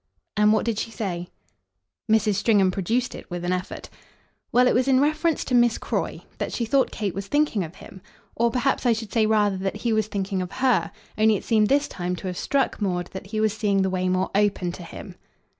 "And what did she say?" Mrs. Stringham produced it with an effort. "Well it was in reference to Miss Croy. That she thought Kate was thinking of him. Or perhaps I should say rather that he was thinking of HER only it seemed this time to have struck Maud that he was seeing the way more open to him."